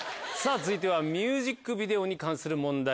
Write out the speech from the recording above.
続いてはミュージックビデオに関する問題